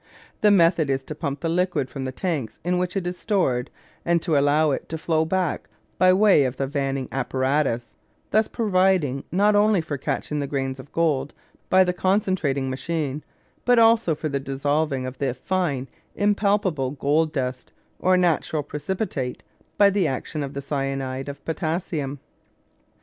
The method is to pump the liquid from the tanks in which it is stored and to allow it to flow back by way of the vanning apparatus, thus providing not only for catching the grains of gold by the concentrating machine, but also for the dissolving of the fine impalpable gold dust, or natural precipitate, by the action of the cyanide of potassium.